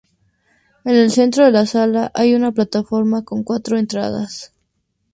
En el centro de la sala hay una plataforma con cuatro entradas.